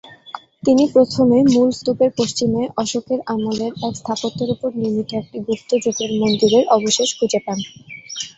তিনি প্রথমে মূল স্তূপের পশ্চিমে অশোকের আমলের এক স্থাপত্যের ওপর নির্মিত একটি গুপ্ত যুগের মন্দিরের অবশেষ খুঁজে পান।